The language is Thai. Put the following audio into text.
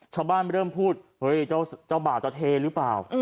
ชาวบ้านเริ่มพูดเฮ้ยเจ้าบ่าวจะเทหรือเปล่า